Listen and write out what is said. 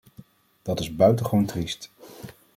Dat is buitengewoon triest.